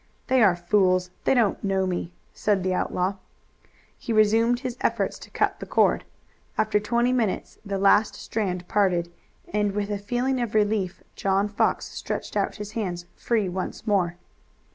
"They are fools! They don't know me!" said the outlaw. He resumed his efforts to cut the cord. After twenty minutes the last strand parted, and with a feeling of relief John Fox stretched out his hands, free once more.